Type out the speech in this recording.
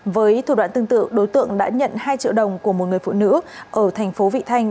với thủ đoạn tương tự đối tượng đã nhận hai triệu đồng của một người phụ nữ ở thành phố vị thanh